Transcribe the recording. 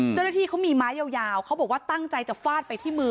เจ้าหน้าที่เขามีไม้ยาวเขาบอกว่าตั้งใจจะฟาดไปที่มือ